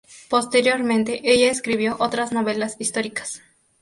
Posteriormente ella escribió otras novelas históricas.